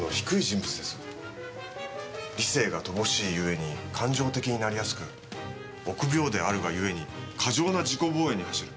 理性が乏しいゆえに感情的になりやすく臆病であるがゆえに過剰な自己防衛に走る。